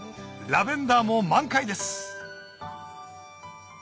ラベンダーも満開です